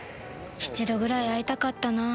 一度ぐらい会いたかったな